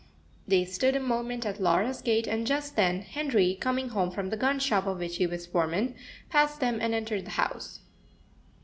They stood a moment at Laura's gate, and just then Henry, coming home from the gun shop of which he was foreman, passed them, and entered the house.